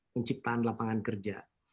penciptaan lapangan kerja